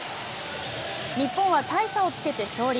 日本は大差をつけて勝利。